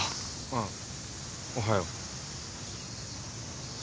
ああおはよう。